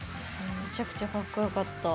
めちゃくちゃかっこよかった。